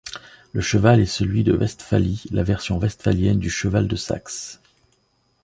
Le cheval est celui de Westphalie, la version westphalienne du cheval de Saxe.